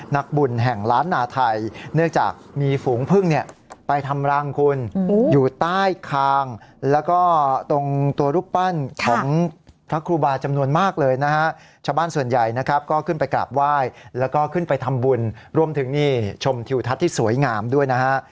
ก็ขึ้นไปกราบไหว้แล้วก็ขึ้นไปทำบุญรวมถึงนี่ชมถิวทัศน์ที่สวยงามด้วยนะฮะ